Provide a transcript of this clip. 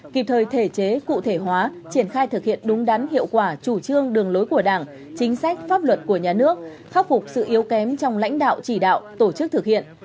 kịp thời thể chế cụ thể hóa triển khai thực hiện đúng đắn hiệu quả chủ trương đường lối của đảng chính sách pháp luật của nhà nước khắc phục sự yếu kém trong lãnh đạo chỉ đạo tổ chức thực hiện